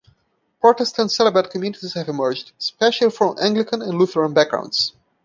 Protestant celibate communities have emerged, especially from Anglican and Lutheran backgrounds.